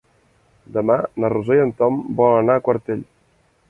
Demà na Rosó i en Tom volen anar a Quartell.